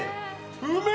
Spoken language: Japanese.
うめえ！